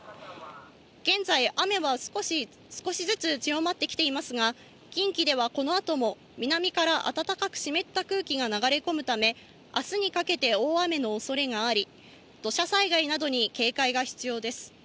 現在、雨は少しずつ強まってきていますが、近畿ではこの後も南から暖かく湿った空気が流れ込むため、明日にかけて大雨の恐れがあり、土砂災害などに警戒が必要です。